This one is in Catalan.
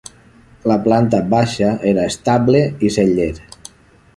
La planta baixa era estable i celler.